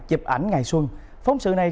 dịp ảnh ngày xuân phóng sự này